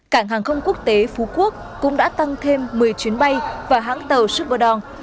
cảng hàng không quốc tế phú quốc cũng đã tăng thêm một mươi chuyến bay và hãng tàu suberdong